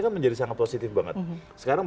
kan menjadi sangat positif banget sekarang